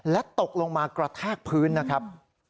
และตกลงมากระแทกพื้นนะครับ